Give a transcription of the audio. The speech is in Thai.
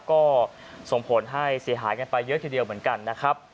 ก็ส่งผลให้เสียหายกันไปเยอะทีเดียวเหมือนกันนะครับ